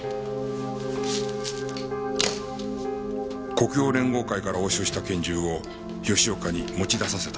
黒洋連合会から押収した拳銃を吉岡に持ち出させた。